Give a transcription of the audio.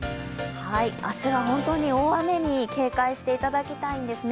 明日は本当に大雨に警戒していただきたいんですね。